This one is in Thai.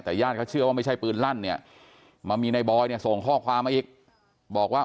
แต่ญาติเขาเชื่อว่าไม่ใช่ปืนลั่นเนี่ยมามีในบอยเนี่ยส่งข้อความมาอีกบอกว่า